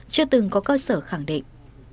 chưa từng có cơ sở khẳng định